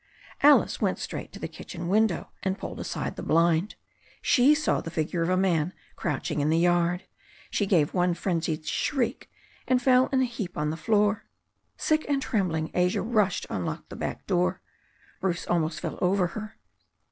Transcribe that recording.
Alice went straight to the kitchen window, and pulled aside the blind. She saw the figure of a man crouching in the yard. She gave one frenzied shriek, and fell in a heap on the floor. Sick and trembling, Asia rushed to unlock the back door. Bruce almost fell over her.